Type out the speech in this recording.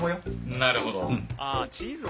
なるほど。